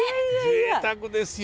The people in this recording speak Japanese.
ぜいたくですよ。